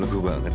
t einf yuk puas